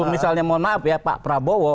misalnya mohon maaf ya pak prabowo